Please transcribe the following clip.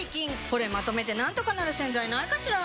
これまとめてなんとかなる洗剤ないかしら？